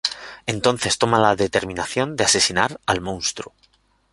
Entonces toma la determinación de asesinar al monstruo.